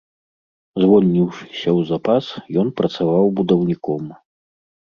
Звольніўшыся ў запас, ён працаваў будаўніком.